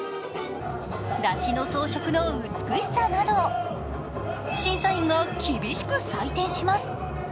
山車の装飾の美しさなど、審査員が厳しく採点します。